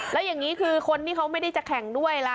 แล้วอย่างนี้คือคนที่เขาไม่ได้จะแข่งด้วยล่ะ